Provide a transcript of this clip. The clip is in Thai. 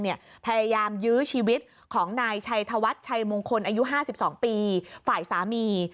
พยายามยื้อชีวิตของนายชัยธวัฒน์ชัยมงคลอายุ๕๒ปีฝ่ายสามี